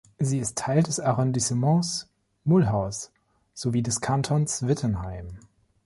Sie ist Teil des Arrondissements Mulhouse sowie des Kantons Wittenheim.